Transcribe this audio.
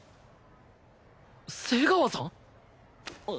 瀬川さん！？